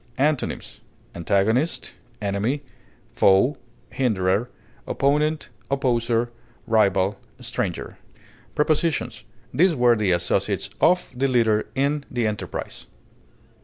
Antonyms: antagonist, foe, hinderer, opponent, opposer, rival, stranger. enemy, Prepositions: These were the associates of the leader in the enterprise.